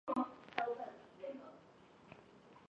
市镇是芬兰地方政府的行政单位。